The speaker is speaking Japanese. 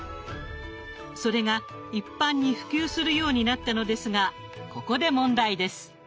それが一般に普及するようになったのですがここで問題です。